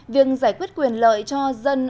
việc giải quyết quyền lợi cho dân